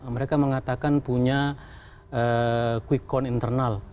mereka mengatakan punya quick count internal